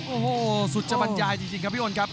โอ้โหสุจบรรยายจริงครับพี่โอนครับ